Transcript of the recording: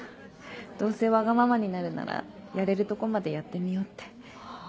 どうせワガママになるならやれるとこまでやってみようって。